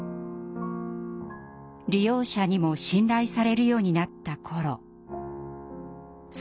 利用者にも信頼されるようになった頃更に糖尿病が悪化。